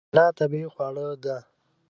کېله طبیعي خواړه ده.